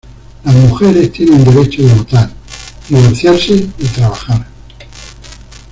Las mujeres tienen derecho de votar, divorciarse y trabajar.